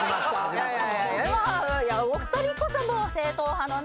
お二人こそ正統派のね